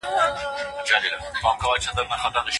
د ویموکراسۍ اصل د نظرونو آزادي ده.